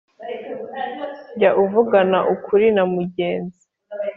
Jya uvugana ukuri na mugenzi